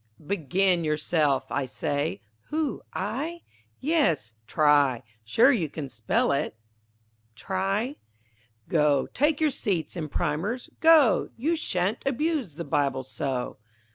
_ Begin yourself, I say. Who, I? Yes, try. Sure you can spell it. Try. Go, take your seats and primers, go, You sha'n't abuse the Bible so.